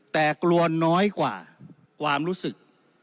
แต่กลัวน้อยกว่าความรู้สึก